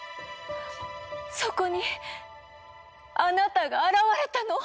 そこにあなたが現れたの！